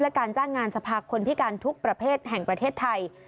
และการจ้างงานสภาคนพิการทุกประเภทแห่งประเทศไทย